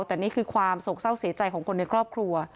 แต่นี่คือความโศกเศร้าเสียใจของคนในครอบครัว